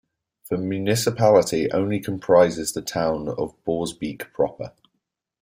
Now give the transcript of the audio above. The municipality only comprises the town of Borsbeek proper.